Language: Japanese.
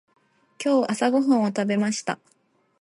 今日朝ごはんを食べました。